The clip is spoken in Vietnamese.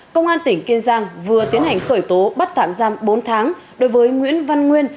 công an tỉnh kiên giang vừa tiến hành khởi tố bắt tạm giam bốn tháng đối với nguyễn văn nguyên